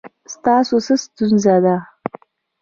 ستاسو څه ستونزه ده؟